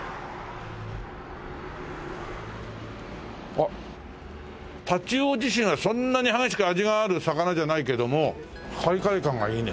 あっタチウオ自身はそんなに激しく味がある魚じゃないけどもカリカリ感がいいね。